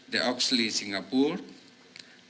di oxley singapura